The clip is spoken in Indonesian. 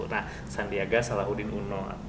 nah sandiaga salahuddin uno